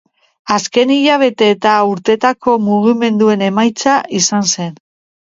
Azken hilabete eta urteetako mugimenduen emaitza izan zen.